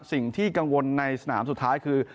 สิ่งที่กังวลในสนามสุดท้ายคือ